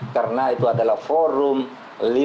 karena itu adalah forum lima